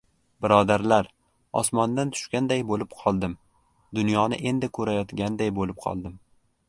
Birodarlar, osmondan tushganday bo‘lib qoldim, dunyoni endi ko‘rayotganday bo‘lib qoldim...